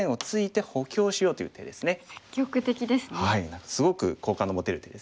何かすごく好感の持てる手ですね。